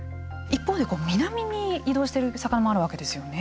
一方でこう南に移動している魚もあるわけですよね。